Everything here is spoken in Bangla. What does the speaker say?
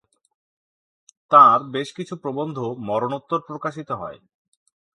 তাঁর বেশ কিছু প্রবন্ধ মরণোত্তর প্রকাশিত হয়।